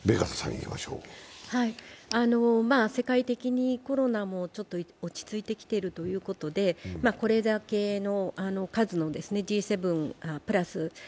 世界的にコロナもちょっと落ち着いてきているということでこれだけの数のＧ７プラス